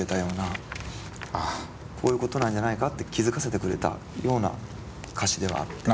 こういうことなんじゃないかって気付かせてくれたような歌詞ではあって。